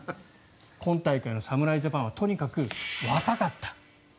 今大会の侍ジャパンはとにかく若かった。